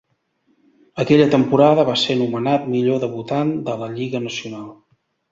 Aquella temporada va ser nomenat millor debutant de la Lliga Nacional.